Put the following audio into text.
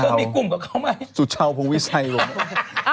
เธอมีกลุ่มกับเขาไหมสุชาวโพงวิสัยว่ะ